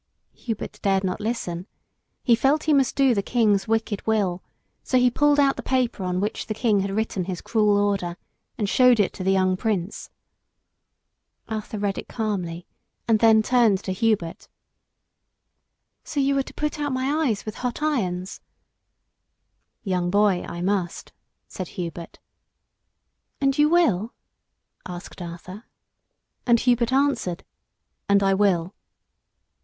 Hubert dared not listen. He felt he must do the King's wicked will, so he pulled out the paper on which the King had written his cruel order, and showed it to the young Prince. Arthur read it calmly and then turned to Hubert. "So you are to put out my eyes with hot irons?" [Illustration: "YOU ARE SAD, HUBERT," SAID THE PRINCE.] "Young boy, I must," said Hubert. "And you will?" asked Arthur. And Hubert answered, "And I will."